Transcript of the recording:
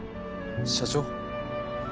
社長？